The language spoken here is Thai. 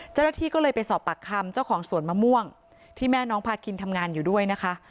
เจ้าหน้าที่ก็เลยไปสอบปากคำเจ้าของสวนมะม่วงที่แม่น้องพาคินทำงานอยู่ด้วยนะคะ